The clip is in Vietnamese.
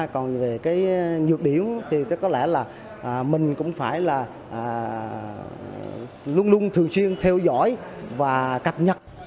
còn về cái nhược điểm thì có lẽ là mình cũng phải là luôn luôn thường xuyên theo dõi và cập nhật